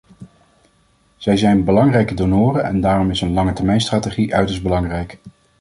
Zij zijn belangrijke donoren, en daarom is een langetermijnstrategie uiterst belangrijk.